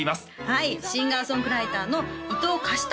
はいシンガー・ソングライターの伊東歌詞